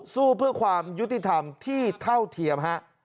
สู้เพื่อความยุติธรรมที่เท่าเทียมฮะ